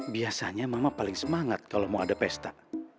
biasanya mama paling semangat kalau mau ada pesta